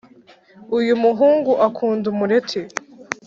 uyu muhungu akunda umureti